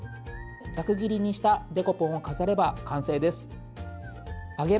ざく切りにしたデコポンを飾れば完成です。